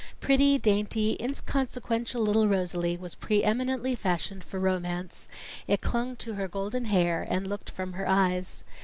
Pretty, dainty, inconsequential little Rosalie was preëminently fashioned for romance; it clung to her golden hair and looked from her eyes.